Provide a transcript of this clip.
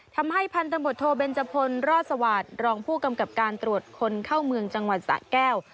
ทำให้พันธบทโทเบนจพลรอดสวาสตร์รองผู้กำกับการตรวจคนเข้าเมืองจังหวัดสะแก้ว